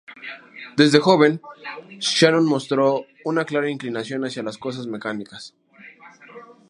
Desde joven, Shannon mostró una clara inclinación hacia las cosas mecánicas.